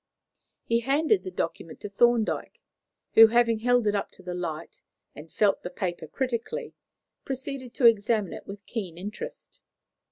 He handed the document to Thorndyke, who, having held it up to the light and felt the paper critically, proceeded to examine it with keen interest.